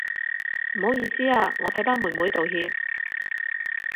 唔好意思啊，我替班妹妹道歉